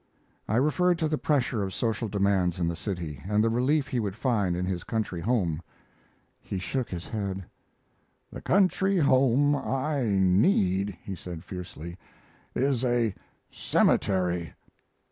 I referred to the pressure of social demands in the city, and the relief he would find in his country home. He shook his head. "The country home I need," he said, fiercely, "is a cemetery."